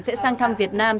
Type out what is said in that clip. sẽ sang thăm việt nam